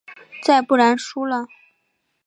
再不然输了？